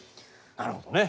なるほどね。